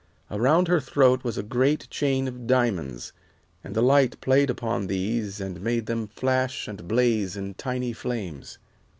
Around her throat was a great chain of diamonds, and the light played upon these and made them flash and blaze in tiny flames.